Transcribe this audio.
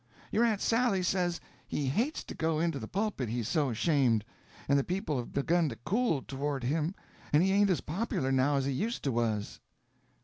Your aunt Sally says he hates to go into the pulpit he's so ashamed; and the people have begun to cool toward him, and he ain't as popular now as he used to was."